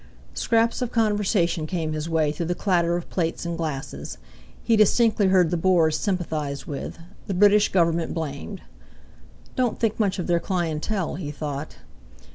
Scraps of conversation came his way through the clatter of plates and glasses. He distinctly heard the Boers sympathised with, the British Government blamed. "Don't think much of their clientèle," he thought.